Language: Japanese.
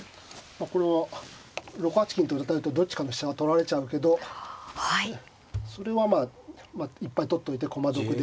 これは６八金と打たれるとどっちかの飛車が取られちゃうけどそれはまあいっぱい取っといて駒得で優勢だと。